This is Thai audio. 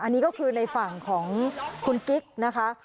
อันนี้ก็คือในฝั่งของคุณกิ๊กนะคะ